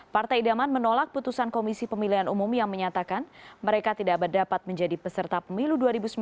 partai idaman menolak putusan komisi pemilihan umum yang menyatakan mereka tidak dapat menjadi peserta pemilu dua ribu sembilan belas